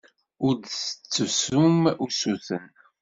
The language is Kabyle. Ur d-tettessum usuten.